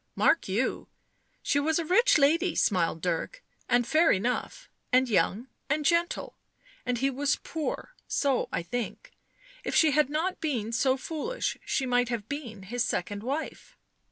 " Mark you, she was a rich lady," smiled Dirk, " and fair enough, and young and gentle, and he was poor ; so I think, if she had not been so foolish, she might have been his second wife."